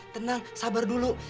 tenang sabar dulu